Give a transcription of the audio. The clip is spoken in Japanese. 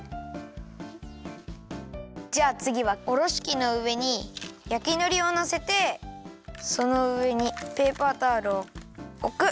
じゃあつぎはおろしきのうえに焼きのりをのせてそのうえにペーパータオルをおく。